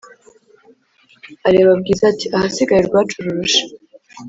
areba bwiza ati"ahasigaye urwacu rurushe"